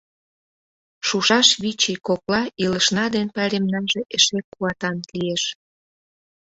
Шушаш вич ий кокла илышна ден пайремнаже эше куатан лиеш.